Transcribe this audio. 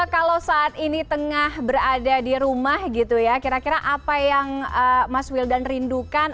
kalau saat ini tengah berada di rumah gitu ya kira kira apa yang mas wildan rindukan